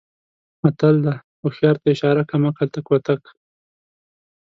متل دی: هوښیار ته اشاره کم عقل ته کوتک.